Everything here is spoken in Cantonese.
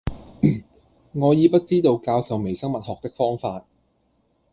我已不知道教授微生物學的方法，